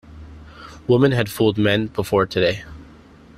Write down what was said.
Women had fooled men before today.